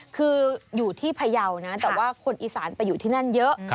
คืออยู่ที่พยาวนะแต่ว่าคนอีสานไปอยู่ที่นั่นเยอะ